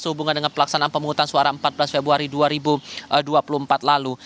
sehubungan dengan pelaksanaan pemungutan suara empat belas februari dua ribu dua puluh empat lalu